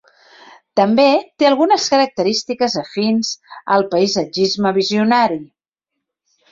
També té algunes característiques afins al Paisatgisme visionari.